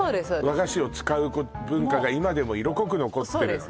和菓子を使う文化が今でも色濃く残ってるのね